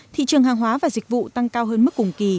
thị trường hàng hóa và dịch vụ tăng cao hơn mức cùng kỳ